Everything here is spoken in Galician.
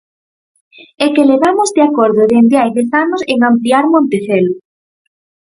¡É que levamos de acordo dende hai dez anos en ampliar Montecelo!